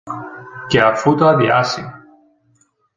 και αφού το αδειάσει